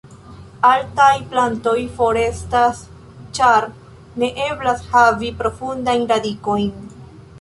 Altaj plantoj forestas ĉar ne eblas havi profundajn radikojn.